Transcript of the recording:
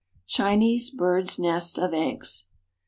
CHINESE BIRD'S NEST OF EGGS.